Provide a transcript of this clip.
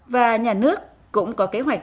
và nhà nước cũng có kế hoạch